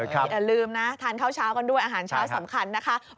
อย่าลืมนะทานข้าวเช้ากันด้วยอาหารเช้าสำคัญนะคะ